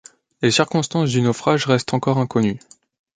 Les circonstances du naufrage reste encore inconnues.